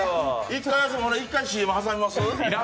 １回、ＣＭ挟みます？